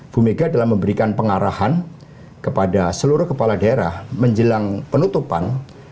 bu mega telah memberikan pengarahan kepada seluruh kepala daerah menjelang penutupan